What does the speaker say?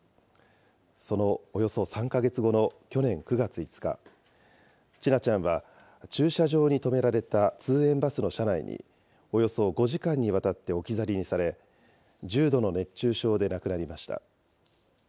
そのおよそ３か月後の去年９月５日、千奈ちゃんは駐車場に止められた通園バスの車内に、およそ５時間にわたって置き去りにされ、重度の熱中症で亡くなりました。